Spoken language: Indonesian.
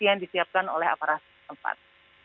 yang disiapkan oleh aparat tempat